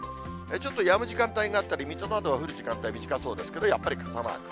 ちょっとやむ時間帯があったり、水戸などは降る時間帯短そうですけど、やっぱり傘マーク。